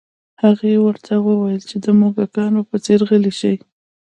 هغې ورته وویل چې د موږکانو په څیر غلي شي